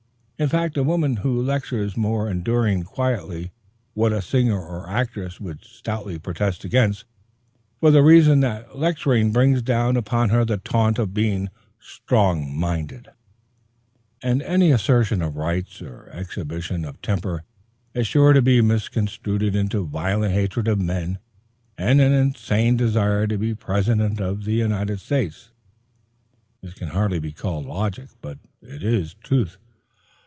In fact, a woman who lectures must endure quietly what a singer or actress would stoutly protest against, for the reason that lecturing brings down upon her the taunt of being "strong minded," and any assertion of rights or exhibition of temper is sure to be misconstrued into violent hatred of men and an insane desire to be President of the United States. This can hardly be called logic, but it is truth.